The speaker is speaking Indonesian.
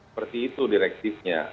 tidak seperti itu direktifnya